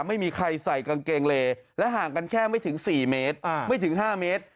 ไม่มีใครใส่กางเกงเลและห่างกันแค่ไม่ถึง๔เมตรไม่ถึง๕เมตร